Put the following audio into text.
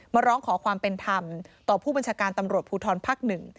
มาร้องขอความเป็นธรรมต่อผู้บัญชาการตำรวจภูทรภักดิ์๑